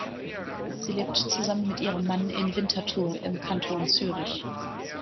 Sie lebt zusammen mit ihrem Mann in Winterthur im Kanton Zürich.